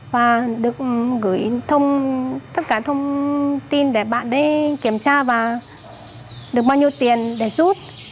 và được gửi tất cả thông tin để bạn ấy kiểm tra và được bao nhiêu tiền để rút